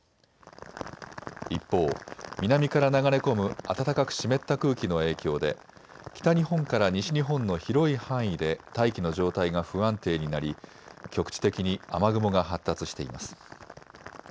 一方、南から流れ込む暖かく湿った空気の影響で北日本から西日本の広い範囲で大気の状態が不安定になり局地的に雨雲が発達しています。